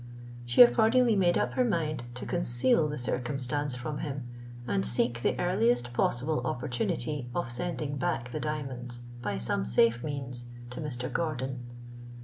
She accordingly made up her mind to conceal the circumstance from him, and seek the earliest possible opportunity of sending back the diamonds, by some safe means, to Mr. Gordon.